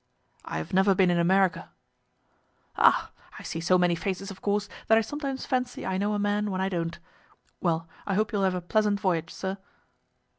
"I have never been in America." "Ah! I see so many faces, of course, that I sometimes fancy I know a man when I don't. Well, I hope you will have a pleasant voyage, sir."